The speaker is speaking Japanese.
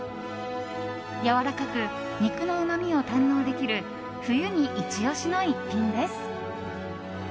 やわらかく肉のうまみを堪能できる冬にイチ押しの逸品です。